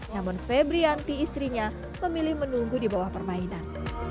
namun febrianti istrinya memilih menunggu di bawah permainan